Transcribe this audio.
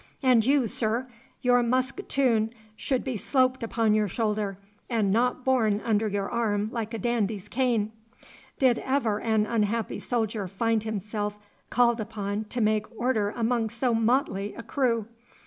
And you, sir, your musquetoon should be sloped upon your shoulder, and not borne under your arm like a dandy's cane. Did ever an unhappy soldier find himself called upon to make order among so motley a crew!